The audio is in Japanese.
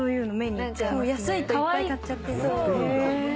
安いといっぱい買っちゃって。